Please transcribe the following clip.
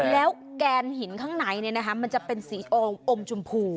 แล้วแกนหินข้างในมันจะเป็นสีออมชมพู